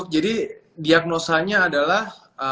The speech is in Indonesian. jadi diagnosanya adalah